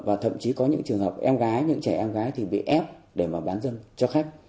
và thậm chí có những trường hợp em gái những trẻ em gái thì bị ép để mà bán dâm cho khách